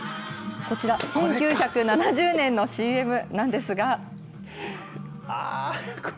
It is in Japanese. こちら、１９７０年のＣＭなんですが。